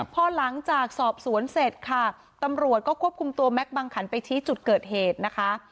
พอหลังจากสอบสวนเสร็จค่ะตำรวจก็ควบคุมตัวแม็กซบังขันไปชี้จุดเกิดเหตุนะคะ